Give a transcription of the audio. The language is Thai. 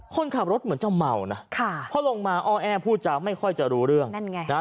คนขับรถเหมือนเจ้าเมานะเพราะลงมาอ้อแอพูดจำไม่ค่อยจะรู้เรื่อง